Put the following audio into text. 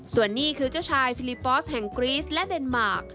ส่วนนี้คือเจ้าชายฟิลิปอสแห่งกรีสและเดนมาร์ค